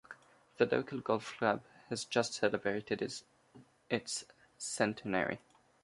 The local golf club has just celebrated its centenary.